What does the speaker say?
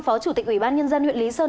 phó chủ tịch ủy ban nhân dân huyện lý sơn